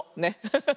ハハハハ。